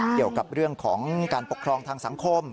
เกี่ยวกับเรื่องของการปกครองทางสังคม